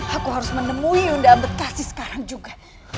aku harus menemui undang undang kasih sekarang juga